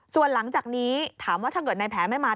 ส่วนหลังจากนี้ถามว่าถ้าเกิดในแผนไม่มา